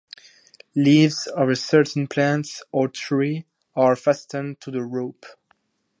Leaves of a certain plant or tree are fastened to the rope.